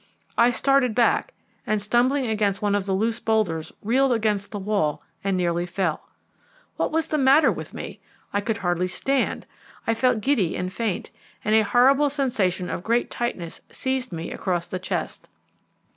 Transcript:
I started back, and stumbling against one of the loose boulders reeled against the wall and nearly fell. What was the matter with me? I could hardly stand. I felt giddy and faint, and a horrible sensation of great tightness seized me across the chest.